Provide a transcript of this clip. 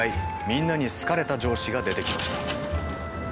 みんなに好かれた上司が出てきました。